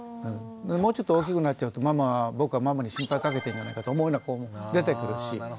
もうちょっと大きくなっちゃうと僕はママに心配かけてるんじゃないかと思うような子も出てくるし。